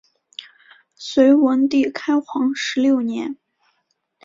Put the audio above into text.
隋文帝开皇十六年。